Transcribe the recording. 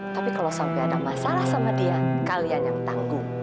tapi kalau sampai ada masalah sama dia kalian yang tanggung